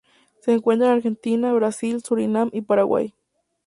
Se encuentran en Argentina, Brasil, Surinam y Paraguay.